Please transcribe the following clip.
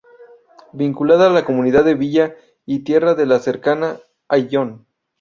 Vinculada a la Comunidad de Villa y Tierra de la cercana Ayllón.